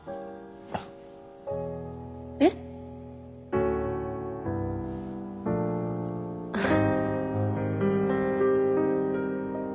えっ？あっ。